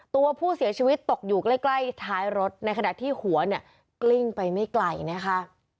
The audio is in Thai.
ตัวผู้เสียชีวิตตกอยู่ใกล้ท้ายรถในขณะที่หัวเนี่ยกลิ้งไปไม่ไกลนะคะ